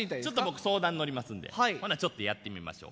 僕相談乗りますんでほなちょっとやってみましょう。